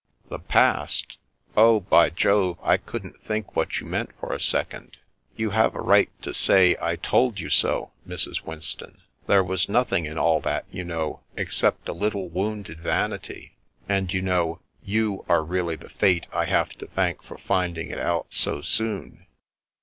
" The past ? Oh, by Jove, I couldn't think what you meant for a second. You have a right to say ' I told you so,' Mrs. Winston. There was nothing in all that, you know, except a little wounded vanity; and you know, you are really the Fate I have to thank for finding it out so soon."